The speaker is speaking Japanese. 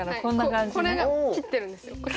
これが切ってるんですよ。